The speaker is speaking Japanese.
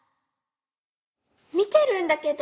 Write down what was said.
みてるんだけど。